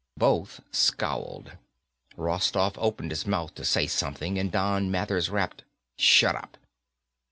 Both scowled. Rostoff opened his mouth to say something and Don Mathers rapped, "Shut up."